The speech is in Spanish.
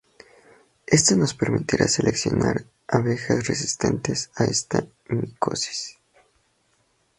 Esto nos permitiría seleccionar abejas resistentes a esta micosis.